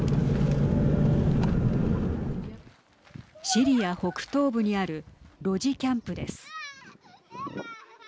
シリア北東部にあるロジ・キャンプです。